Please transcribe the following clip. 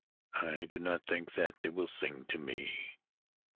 I do not think that they will sing to me.